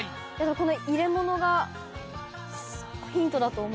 この入れ物がヒントだと思って。